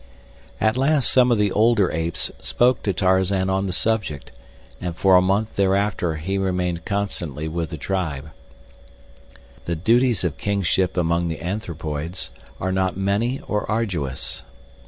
At last some of the older apes spoke to Tarzan on the subject, and for a month thereafter he remained constantly with the tribe. The duties of kingship among the anthropoids are not many or arduous.